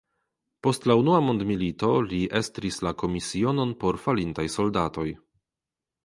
Post la Unua mondmilito li estris la komisionon por falintaj soldatoj.